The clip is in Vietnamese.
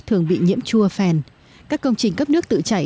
tuy nhiên tiện đồ hiện nay cũng rất là chậm